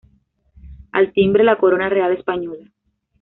Al timbre la Corona Real Española.